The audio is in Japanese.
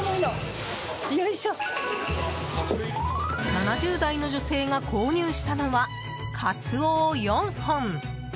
７０代の女性が購入したのはカツオを４本。